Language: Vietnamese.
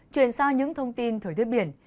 chuyển sang những thông tin thời tiết biển